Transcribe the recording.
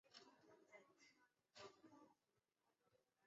平镇工业区位于本地区西部及西北部。